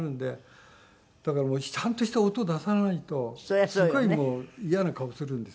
だからちゃんとした音出さないとすごい嫌な顔するんです。